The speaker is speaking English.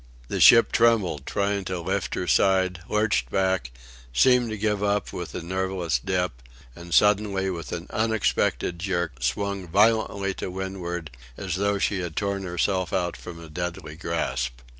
The ship trembled, trying to lift her side, lurched back, seemed to give up with a nerveless dip, and suddenly with an unexpected jerk swung violently to windward, as though she had torn herself out from a deadly grasp.